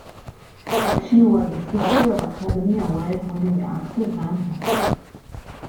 She was the sister of Academy Award-winning actor Van Heflin.